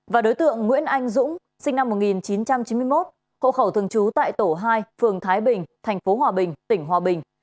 và đối tượng nguyễn anh dũng sinh năm một nghìn chín trăm chín mươi một hộ khẩu thường trú tại tổ hai phường thái bình thành phố hòa bình tỉnh hòa bình